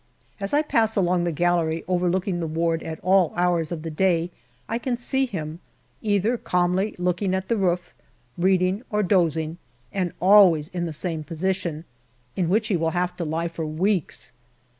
As I pass along the gallery overlooking the ward at all hours of the day I can see him, either calmly looking at the roof, reading or dozing, and always in the same position, in which he will have to lie for weeks.